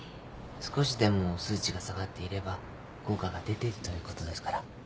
少しでも数値が下がっていれば効果が出ているということですから。